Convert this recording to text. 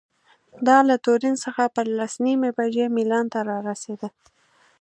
دا له تورین څخه پر لس نیمې بجې میلان ته رارسېده.